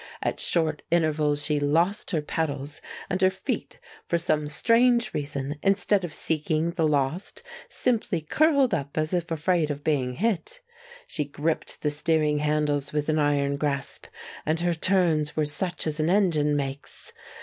At short intervals she lost her pedals, and her feet, for some strange reason, instead of seeking the lost, simply curled up as if afraid of being hit. She gripped the steering handles with an iron grasp, and her turns were such as an engine makes.